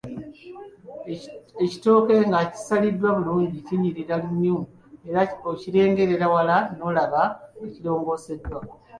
Ekitooke nga kisaliddwa bulungi, kinyirira nnyo era okirengerera wala n’olaba nga kirongooseddwa.